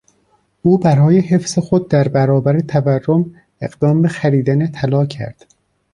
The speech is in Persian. او برای حفظ خود در برابر تورم، اقدام به خریدن طلا کرد.